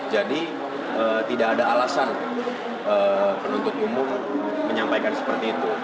jadi tidak ada alasan penuntut umum menyampaikan seperti itu